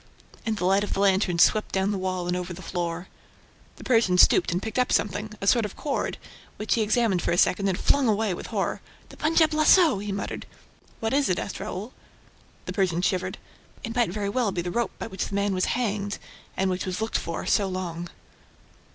And the light of the lantern swept down the wall and over the floor. The Persian stooped and picked up something, a sort of cord, which he examined for a second and flung away with horror. "The Punjab lasso!" he muttered. "What is it?" asked Raoul. The Persian shivered. "It might very well be the rope by which the man was hanged, and which was looked for so long."